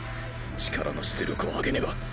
力の出力を上げねば。